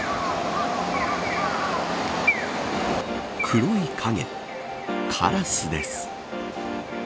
黒い影カラスです。